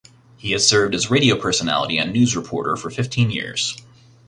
He had served as radio personality and news reporter for fifteen years.